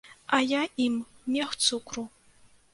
А я ім мех цукру.